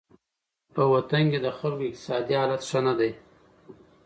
په وطن کې د خلکو اقتصادي حالت ښه نه دی.